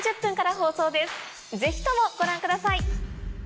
ぜひともご覧ください。